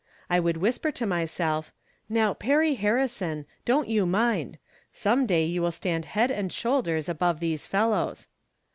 I would whisper to myself, " Now, Perry Harrison, don't you mind ; some day you will stand head and shoulders above these fellows."